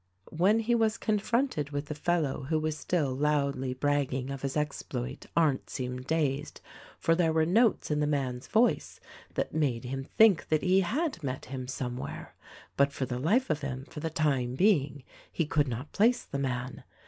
When he was confronted with the fellow who was still loudly bragging of his exploit Arndt seemed dazed, for there were notes in the man's voice that made him think that he had met him somewhere ; but, for the life of him, for the time being, he could not place the man.